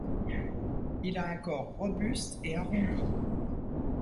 Il a un corps robuste et arrondi.